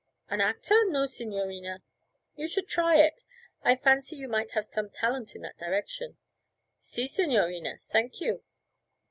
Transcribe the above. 'An actor? No, signorina.' 'You should try it; I fancy you might have some talent in that direction.' 'Si, signorina. Sank you.'